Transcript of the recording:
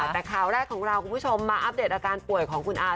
แต่ข่าวแรกของเราคุณผู้ชมมาอัปเดตอาการป่วยของคุณอาร์